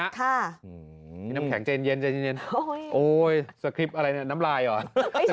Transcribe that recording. ค่ะมีน้ำแข็งเย็นแยนโอ้โฮเซิกทริปอะไรน้ำลายหรอไม่ใช่